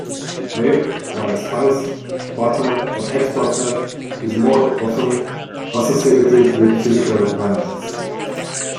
Rape by a spouse, partner or ex-partner is more often associated with physical violence.